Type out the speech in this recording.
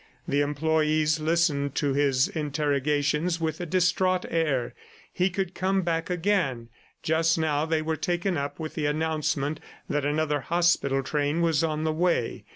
The employees listened to his interrogations with a distraught air. He could come back again; just now they were taken up with the announcement that another hospital train was on the way.